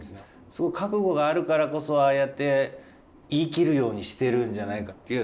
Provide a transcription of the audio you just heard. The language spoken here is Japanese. すごく覚悟があるからこそああやって言い切るようにしてるんじゃないかっていう。